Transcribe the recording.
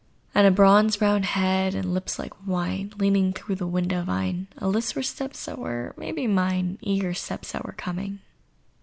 And a bronze brown head, and lips like wine Leaning out through the window vine A list for steps that were maybe mine— Eager steps that were coming.